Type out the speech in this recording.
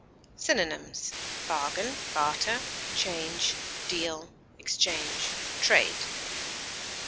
Synonyms: bargain, barter, change, deal, exchange, trade.